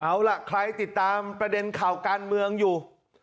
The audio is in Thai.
เอาล่ะใครติดตามประเด็นข่าวการเมืองอยู่